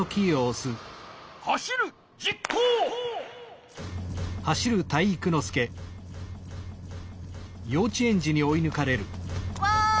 「走る」実行！わい！